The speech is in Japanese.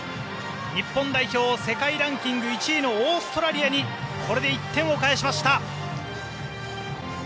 日本代表、世界ランキング１位のオーストラリアにこれで１点を返しました。